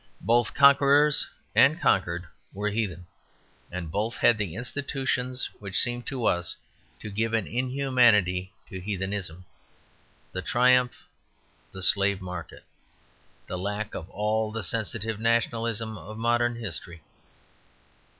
Both conquerors and conquered were heathen, and both had the institutions which seem to us to give an inhumanity to heathenism: the triumph, the slave market, the lack of all the sensitive nationalism of modern history.